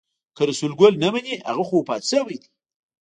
که رسول ګل نه مني هغه خو وفات شوی دی.